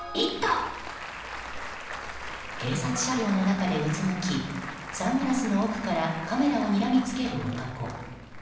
警察車両の中でうつむきサングラスの奥からカメラをにらみつける男。